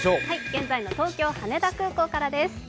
現在の東京・羽田空港からです。